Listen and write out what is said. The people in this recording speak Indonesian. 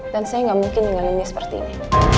dan saya gak mungkin dengan dia seperti ini